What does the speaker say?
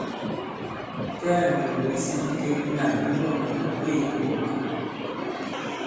Kɛɛ ǹlòŋ isī bikek binân bi mût à làkweē i m̀mbɔk.